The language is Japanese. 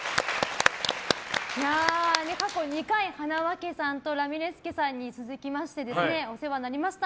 過去２回、はなわ家さんとラミレス家さんに続きましてお世話になりました。